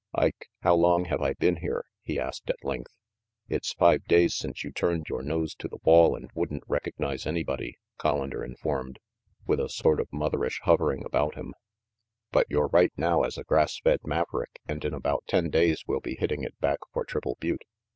"Ike, how long have I been here?" he asked at length. "It's five days since you turned yore nose to the wall and wouldn't recognize anybody," Collander informed, with a sort of motherish hovering about him, "But you're right now as a grass fed maverick and in about ten days we'll be hitting it back for Triple Butte."